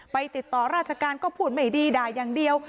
ติดต่อราชการก็พูดไม่ดีด่าอย่างเดียว